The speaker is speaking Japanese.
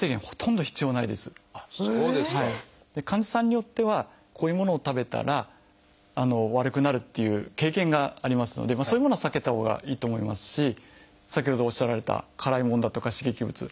患者さんによってはこういうものを食べたら悪くなるっていう経験がありますのでそういうものは避けたほうがいいと思いますし先ほどおっしゃられた辛いものだとか刺激物。